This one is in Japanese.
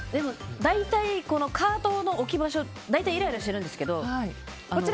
大体、カートの置き場所ってイライラしてるんですけど。